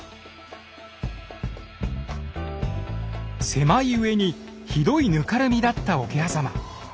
狭いうえにひどいぬかるみだった桶狭間。